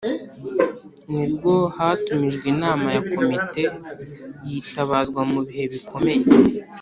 nibwo hatumijwe inama ya komite yitabazwa mu bihe bikomeye.